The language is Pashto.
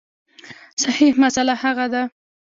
صحیح مسأله هغه ده